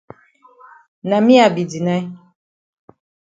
Na me I be deny.